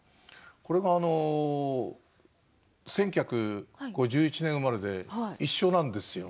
これは１９５１年生まれで一緒なんですよ。